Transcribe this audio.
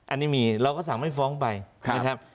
อันนี้มีเราก็สั่งไม่ฟ้องไปนะครับ